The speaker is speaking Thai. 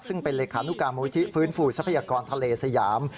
ซึ่งเป็นเลขานุการมูลที่ฟื้นฟูทรัพยากรทะเลสยาม